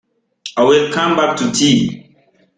I'll come back to tea.